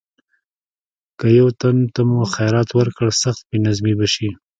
که یو تن ته مو خیرات ورکړ سخت بې نظمي به شي.